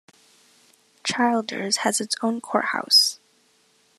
Childers has its own courthouse.